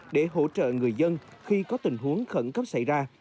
để hỗ trợ người dân khi có tình huống khẩn cấp xảy ra